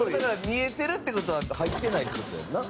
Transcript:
見えてるっていう事は入ってないっていう事やんな。